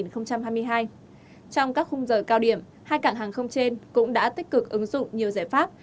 trong các khung giờ cao điểm hai cảng hàng không trên cũng đã tích cực ứng dụng nhiều giải pháp